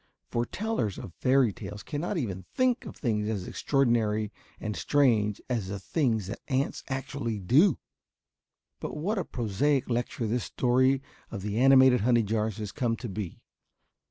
For tellers of fairy tales cannot even think of things as extraordinary and strange as the things that ants actually do! But what a prosaic lecture this story of the animated honey jars has come to be.